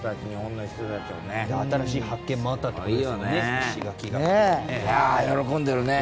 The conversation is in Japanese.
新しい発見もあったという石垣がね。